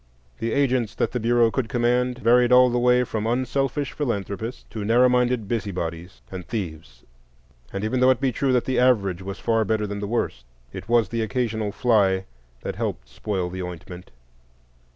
The agents that the Bureau could command varied all the way from unselfish philanthropists to narrow minded busybodies and thieves; and even though it be true that the average was far better than the worst, it was the occasional fly that helped spoil the ointment.